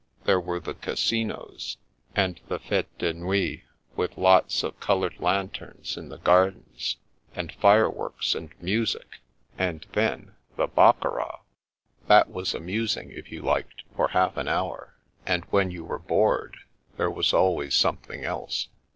There were the Casinos, and the fetes de nuit, with lots of coloured lanterns in the gardens, and fireworks, and music; and then, the baccarat! 230 The Princess Passes That was amusing, if you liked, for half an hour, and when you were bored there was always somediing else.